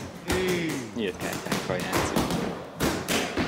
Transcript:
Nyílt kártyákkal játszik.